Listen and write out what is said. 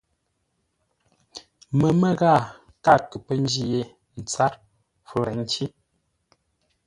Məmə́ ghaa káa kə pə́ ńjí yé tsâr fərə́nci.